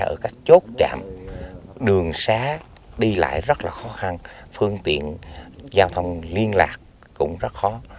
ở các chốt chạm đường xá đi lại rất là khó khăn phương tiện giao thông liên lạc cũng rất khó